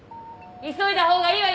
急いだ方がいいわよ